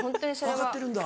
分かってるんだ。